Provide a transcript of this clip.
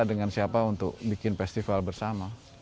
dengan siapa untuk bikin festival bersama